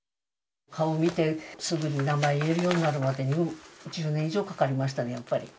顔見て、すぐに名前言えるようになるまでに、１０年以上かかりましたね、やっぱり。